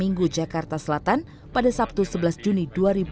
minggu jakarta selatan pada sabtu sebelas juni dua ribu dua puluh